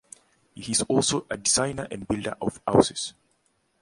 He is also a designer and builder of houses.